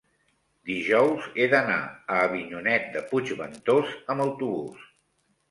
dijous he d'anar a Avinyonet de Puigventós amb autobús.